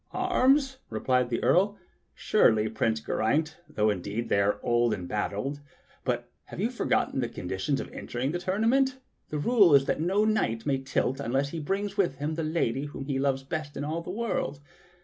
"Arms.?" replied the Earl. "Surely, Prince Geraint, though indeed they are old and battered; but have you forgotten the condi tion of entering the tournament.? The rule is that no knight may tilt unless he brings with him the lady whom he loves best in all the world.